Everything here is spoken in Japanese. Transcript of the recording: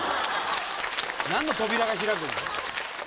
何の扉が開くんだよ！